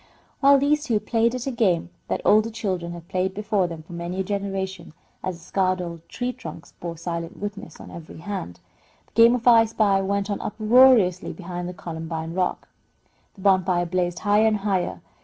While these two played at a game that older children had played before them for many a generation (as the scarred old tree trunks bore silent witness on every hand), the game of "I spy" went on uproariously behind the columbine rock. The bonfire blazed higher and higher.